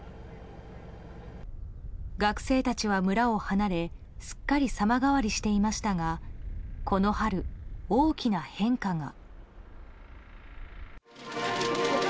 学生たちは村を離れすっかり様変わりしていましたがこの春、大きな変化が。